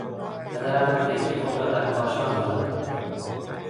پدرم کودکی خود را در کاشان گذراند.